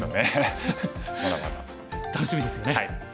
楽しみですよね。